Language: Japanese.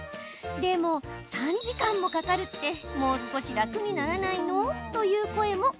でも３時間もかかるってもう少し楽にならないの？という声も聞こえてきそう。